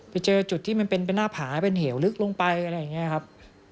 ไปเจอจุดที่มันเป็นหน้าผาเป็นเหวลึกลงไปอะไรอย่างนี้ครับ